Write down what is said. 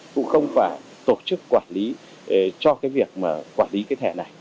cũng không phải tổ chức quản lý cho cái việc mà quản lý cái thẻ này